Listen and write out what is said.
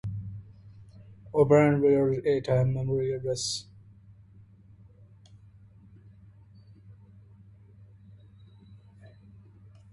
Operands were at times memory addresses.